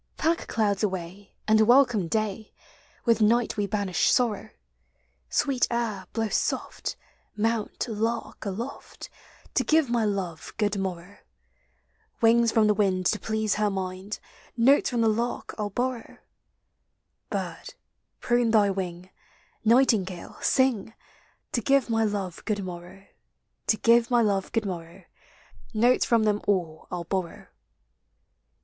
Pack clouds away, and welcome day. With night we banish sorrow; Sweet air, blow soft; mount, lark, aloft. To give my love good morrow. Wings from the wind to please her mind, Notes from the lark 1 '11 borrow: Bird, prune thy wing; nightingale, ring, To give my love good morrow. To give my love good morrow. Notes from them all 1 'II borrow.